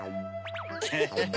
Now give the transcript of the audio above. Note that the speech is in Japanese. フフフ！